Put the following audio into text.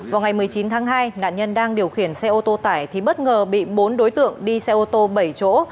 vào ngày một mươi chín tháng hai nạn nhân đang điều khiển xe ô tô tải thì bất ngờ bị bốn đối tượng đi xe ô tô bảy chỗ